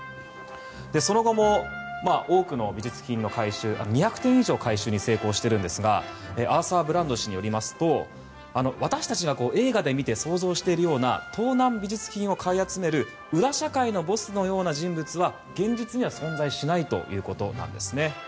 その後も多くの美術品の回収２００点以上回収に成功しているんですがアーサー・ブランド氏によりますと私たちが映画で見て想像しているような盗難美術品を買い集める裏社会のボスのような人物は現実には存在しないということなんですね。